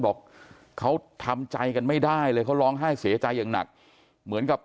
บอกเขาทำใจกันไม่ได้เลยเขาร้องไห้เสียใจอย่างหนักเหมือนกับ